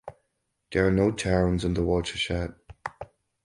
There are no towns in the watershed.